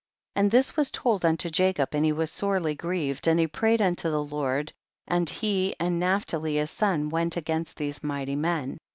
45. And this was to}d unto Jacob, and he was sorely grieved, and he prayed unto the Lord, and he and Naphtali his son went against these mighty men.